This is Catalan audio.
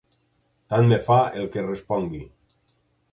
Tant me fa el que respongui.